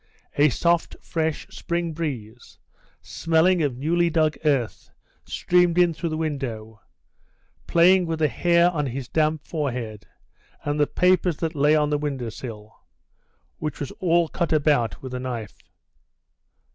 A soft, fresh spring breeze, smelling of newly dug earth, streamed in through the window, playing with the hair on his damp forehead and the papers that lay on the window sill, which was all cut about with a knife.